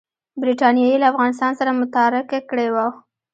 برټانیې له افغانستان سره متارکه کړې وه.